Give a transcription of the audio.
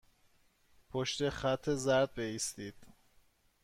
پشت خط زرد بایستید.